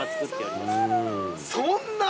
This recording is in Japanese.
そんな！